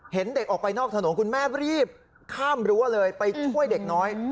เห็นเด็กออกไปนอกถนนคุณแม่รีบข้ามรั้วเลยไปช่วยเด็กน้อย